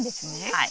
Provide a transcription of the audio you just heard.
はい。